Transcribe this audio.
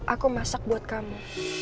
aku masak buat kamu